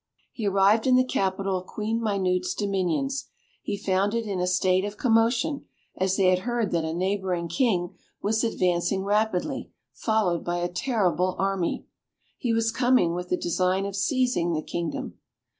He arrived in the capital of Queen Minute's dominions; he found it in a state of commotion, as they had heard that a neighbouring king was advancing rapidly, followed by a terrible army. He was coming with the design of seizing the kingdom.